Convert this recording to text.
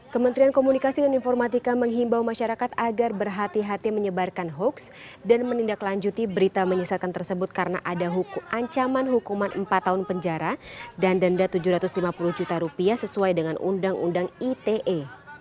kementerian komunikasi dan informatika menghimbau masyarakat agar berhati hati menyebarkan hoaks dan menindaklanjuti berita menyisakan tersebut karena ada ancaman hukuman empat tahun penjara dan denda rp tujuh ratus lima puluh juta rupiah sesuai dengan undang undang ite